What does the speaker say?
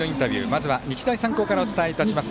まずは日大三高からお伝えします。